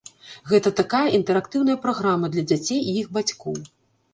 Гэта такая інтэрактыўная праграма для дзяцей і іх бацькоў.